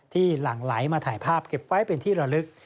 หลั่งไหลมาถ่ายภาพเก็บไว้เป็นที่ระลึก